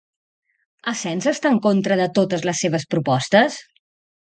Asens està en contra de totes les seves propostes?